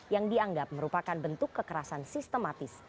yang dianggap merupakan bentuk kekerasan sistematis